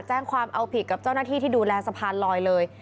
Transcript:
แจ้งความเอาผิดกับเจ้าหน้าที่ที่ดูแลสะพานลอยเลย